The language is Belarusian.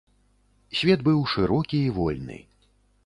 Свет быў шырокі і вольны.